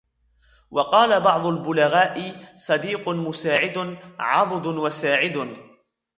وَقَالَ بَعْضُ الْبُلَغَاءِ صَدِيقٌ مُسَاعِدٌ عَضُدٌ وَسَاعِدٌ